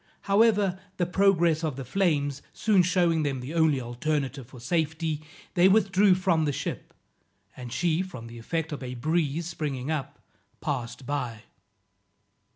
However, the progress of the flames soon shewing them their only alternative for safety, they withdrew from the ship, and she from the effect of a breeze springing up, passed by.